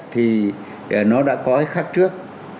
thì nó đã có cái khác trước